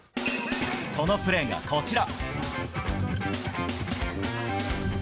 そのプレーがこちら。